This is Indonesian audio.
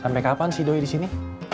sampai kapan si idoy disini